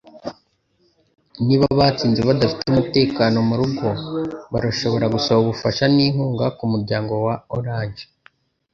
Niba abatsinze badafite umutekano murugo, barashobora gusaba ubufasha ninkunga kumuryango wa Orange